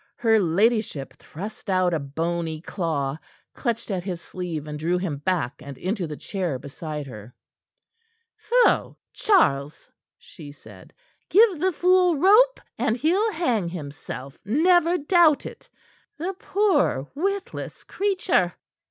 Her ladyship thrust out a bony claw, clutched at his sleeve, and drew him back and into the chair beside her. "Pho! Charles," she said; "give the fool rope, and he'll hang himself, never doubt it the poor, witless creature."